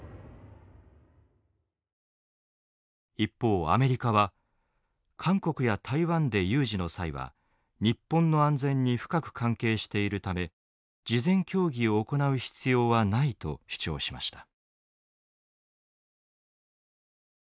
一方アメリカは韓国や台湾で有事の際は日本の安全に深く関係しているため事前協議を行う必要はないと主張しました。